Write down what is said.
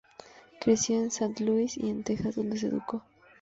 Creció en Saint-Louis y en Texas donde se educó.